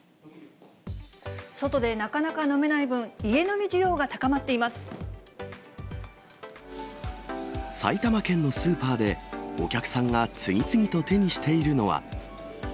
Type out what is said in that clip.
外でなかなか飲めない分、埼玉県のスーパーで、お客さんが次々と手にしているのは。